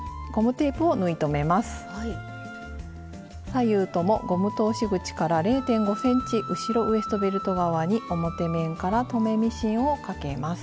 左右ともゴム通し口から０．５ｃｍ後ろウエストベルト側に表面から留めミシンをかけます。